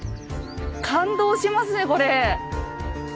感動しますねこれ。